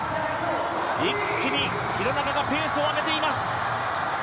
一気に廣中がペースを上げています。